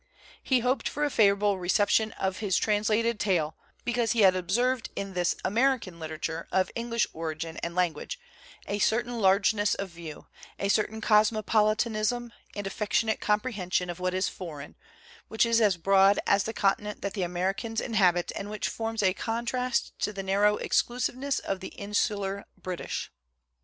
He hoped for a favorable reception of his trans lated tale, because he had observed in "this American literature, of English origin and lan guage, a certain largeness of view, a certain cos mopolitanism and affectionate comprehension of what is foreign, which is as broad as the con tinent that the Americans inhabit and which forms a contrast to the narrow exclusiveness of the insular British."